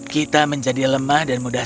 kita menjadi lemah dan mudah